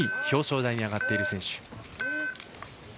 表彰台に上がっている選手。